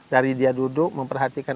dari dia duduk memperhatikan